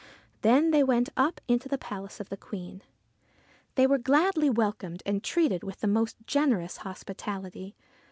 Then they went up into the palace of the Queen. They were gladly welcomed and treated with the most generous hospitality.